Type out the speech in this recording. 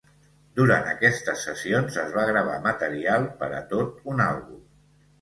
Durant aquestes sessions es va gravar material per a tot un àlbum.